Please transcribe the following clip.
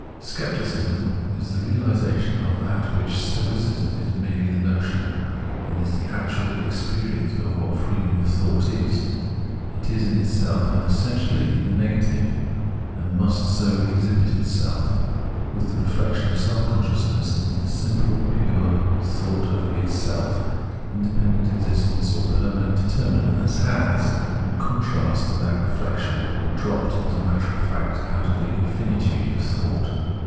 Scepticism is the reahsation of that of which Stoicism is merely the notion, and is the actual experience of what freedom of thought is ; it is in itself and essentially the negative, and must so exhibit itself. With the reflexion of self consciousness into the simple, pure thought of itself, independent existence or permanent determinateness has, in contrast to that reflexion, dropped as a matter of fact out of the infinitude of thought.